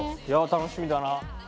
いやあ楽しみだな。